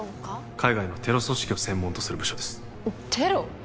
海外のテロ組織を専門とする部署ですテロ？